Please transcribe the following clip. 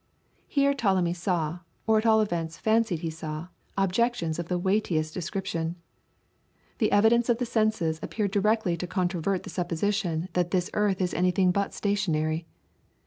Here Ptolemy saw, or at all events fancied he saw, objections of the weightiest description. The evidence of the senses appeared directly to controvert the supposition that this earth is anything but stationary.